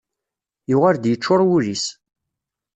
Yuɣal-d yeččur wul-is.